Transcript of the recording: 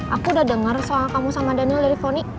aku udah dengar soal kamu sama daniel dari foni